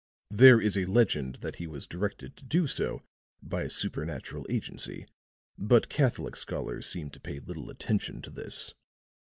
There is a legend that he was directed to do so by a supernatural agency, but Catholic scholars seem to pay little attention to this.